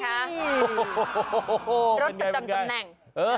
รถประจำตำแหน่ง